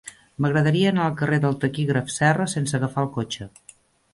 M'agradaria anar al carrer del Taquígraf Serra sense agafar el cotxe.